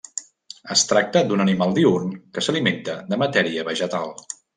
Es tracta d'un animal diürn que s'alimenta de matèria vegetal.